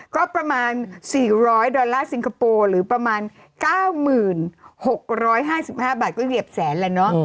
ก็ประมาณ๔๐๐ดอลลาร์สิงคโปร์หรือประมาณ๙๖๕๕บาทก็เหยียบแสนแล้วเนอะ